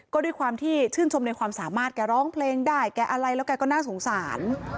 ก็ด้วยความที่ชื่นชมในความสามารถแกร้องเพลงได้แกอะไรแล้วแกก็น่าสงสาร